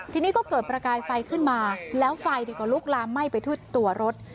ทีนี้ก็เกิดประกายไฟขึ้นมาแล้วไฟก็ลุกลามไหม้ไปทั่วตัวรถ